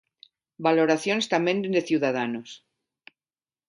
Valoracións tamén dende Ciudadanos.